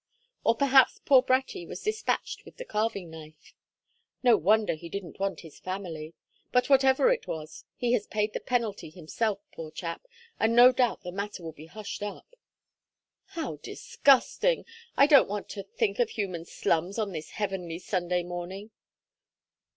Or perhaps poor Bratty was despatched with the carving knife. No wonder he didn't want his family. But whatever it was, he has paid the penalty himself, poor chap, and no doubt the matter will be hushed up." "How disgusting! I don't want to think of human slums on this heavenly Sunday morning."